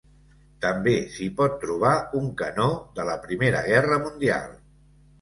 També s'hi pot trobar un canó de la primera Guerra Mundial.